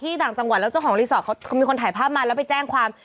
ต่างจังหวัดแล้วเจ้าของรีสอร์ทเขามีคนถ่ายภาพมาแล้วไปแจ้งความ